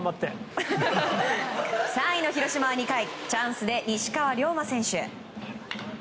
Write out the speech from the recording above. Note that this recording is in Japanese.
３位の広島は２回チャンスで西川龍馬選手。